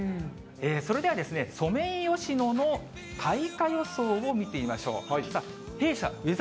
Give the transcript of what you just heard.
それではソメイヨシノの開花予想を見てみましょう。